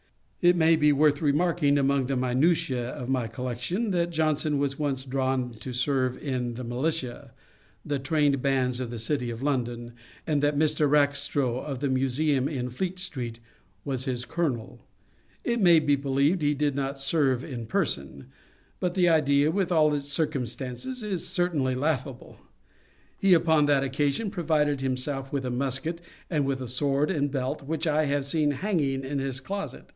It may be worth remarking, among the minutiae of my collection, that Johnson was once drawn to serve in the militia, the Trained Bands of the City of London, and that Mr. Rackstrow, of the Museum in Fleet street, was his Colonel. It may be believed he did not serve in person; but the idea, with all its circumstances, is certainly laughable. He upon that occasion provided himself with a musket, and with a sword and belt, which I have seen hanging in his closet.